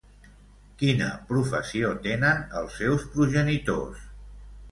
Quina professió tenen els seus progenitors?